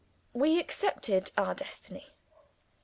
We accepted our destiny.